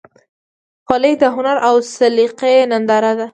خولۍ د هنر او سلیقې ننداره ده.